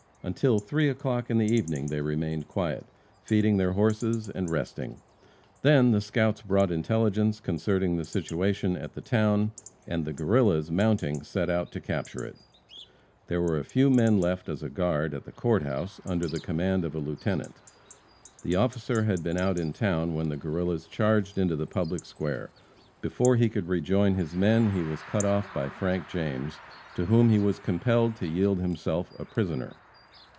Until three o'clock in the evening they remained quiet, feeding their horses and resting. Then the scouts brought intelligence concerning the situation at the town, and the Guerrillas, mounting, set out to capture it. There were a few men left as a guard at the Court house, under the command of a Lieutenant. The officer had been out in town when the Guerrillas charged into the public square. Before he could rejoin his men he was cut off by Frank James, to whom he was compelled to yield himself a prisoner.